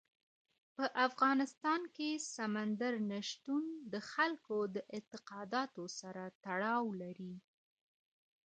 په افغانستان کې سمندر نه شتون د خلکو د اعتقاداتو سره تړاو لري.